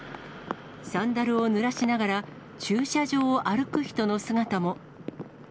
サンダルをぬらしながら、駐車場を歩く人の姿も。